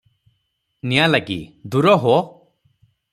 ନିଆଁଲାଗି, ଦୂର ହୋ!